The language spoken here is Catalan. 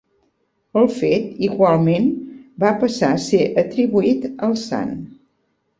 El fet igualment va passar a ser atribuït al sant.